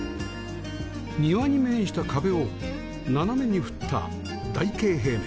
庭に面した壁を斜めに振った台形平面